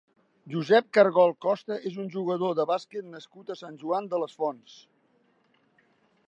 Josep Cargol Costa és un jugador de bàsquet nascut a Sant Joan les Fonts.